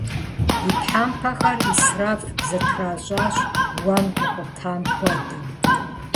И тхьэмпэхэр Ӏисраф зэтращӀащ, уэм икъутам хуэдэу.